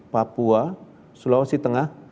papua sulawesi tengah